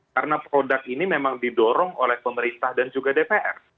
karena produk ini memang didorong oleh pemerintah dan juga dpr